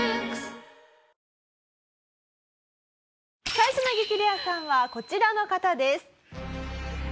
最初の激レアさんはこちらの方です。